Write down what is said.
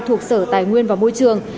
thuộc sở tài nguyên và môi trường